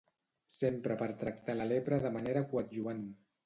S'empra per tractar la lepra de manera coadjuvant.